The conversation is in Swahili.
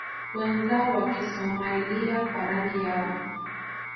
wenzao wa Kisomailia kwa rangi yao